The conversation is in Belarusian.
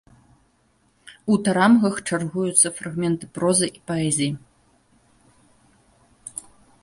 У тарамгах чаргуюцца фрагменты прозы і паэзіі.